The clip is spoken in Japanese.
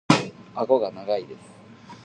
顎が長いです。